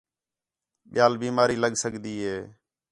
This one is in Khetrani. ٻِیال بیماری لگ سڳدی ہے